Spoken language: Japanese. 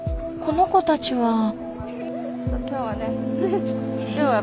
この子たちは。